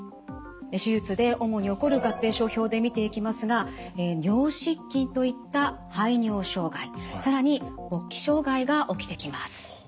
手術で主に起こる合併症表で見ていきますが尿失禁といった排尿障害更に勃起障害が起きてきます。